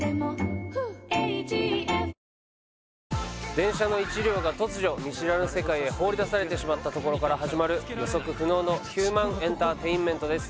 電車の１両が突如見知らぬ世界へ放り出されてしまったところから始まる予測不能のヒューマンエンターテインメントです